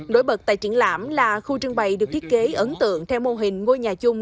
đối bật tại triển lãm là khu trưng bày được thiết kế ấn tượng theo mô hình ngôi nhà chung